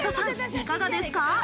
いかがですか？